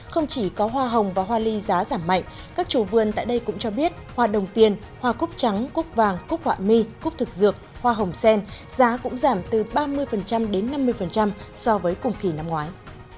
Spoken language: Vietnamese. không chỉ có hoa hồng và hoa ly giá giảm mạnh các chủ vườn tại đây cũng cho biết hoa đồng tiền hoa cúc trắng cúc vàng cúc họa mi cúc thực dược hoa hồng sen giá cũng giảm từ ba mươi đến năm mươi so với cùng kỳ năm ngoái